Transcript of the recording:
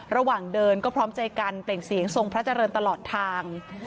ระหว่างเดินก็พร้อมใจกันเปล่งเสียงทรงพระเจริญตลอดทาง